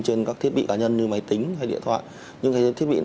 trên các thiết bị cá nhân như máy tính hay điện thoại